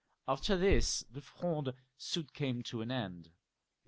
After this the Fronde soon came to an end.